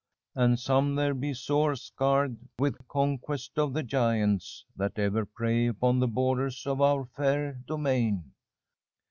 And some there be sore scarred with conquest of the giants that ever prey upon the borders of our fair domain.